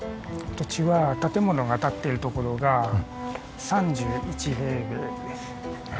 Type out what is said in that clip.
土地は建物が建ってるところが３１平米です。